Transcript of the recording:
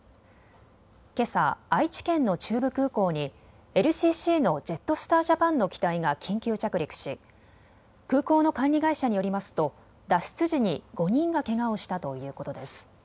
けさ愛知県の中部空港にＬＣＣのジェットスター・ジャパンの機体が緊急着陸し空港の管理会社によりますと脱出時に５人がけがをしたということです。